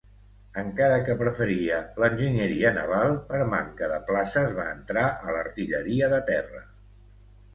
Encara que preferia l'enginyeria naval, per manca de places va entrar a l'artilleria de terra.